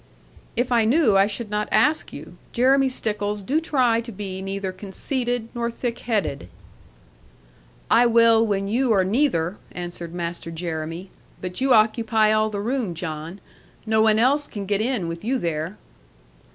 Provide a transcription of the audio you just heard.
'If I knew, I should not ask you. Jeremy Stickles, do try to be neither conceited nor thick headed.' 'I will when you are neither,' answered Master Jeremy; 'but you occupy all the room, John. No one else can get in with you there.'